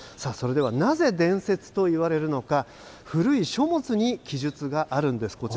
それではなぜ伝説といわれるのか、古い書物に記述があるんです。